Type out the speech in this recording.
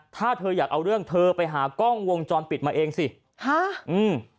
ถ้าเธออยากเอาเรื่องเธอไปหากล้องวงจรปิดมาเองสิฮะอืม